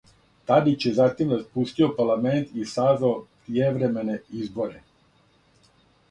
Тадић је затим распустио парламент и сазвао пријевремене изборе.